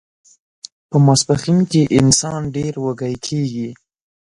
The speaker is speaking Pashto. په ماسپښین کې انسان ډیر وږی کیږي